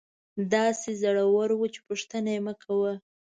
داسې زړوره وه چې پوښتنه یې مکوه.